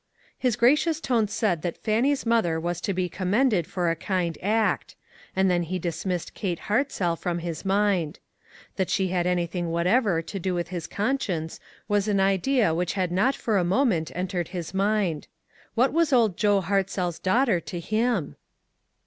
His gracious tone said that" Fannie's mother was to be commended for a kind act ; and then he dismissed Kate Hartzell from his mind. That she had anything whatever to do with his conscience was an idea which had riot for a moment entered his mind. What was Old Joe Hartzell's daughter to him